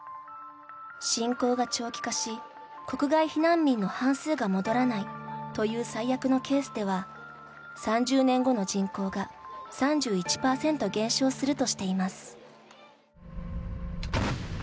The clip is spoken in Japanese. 侵攻が長期化し国外避難民の半数が戻らないという最悪のケースでは３０年後の人口が３１％減少するとしています。